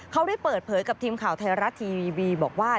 เขาได้เปิดเผยกับทีมข่าวไทยรัฐทีวีบอกว่า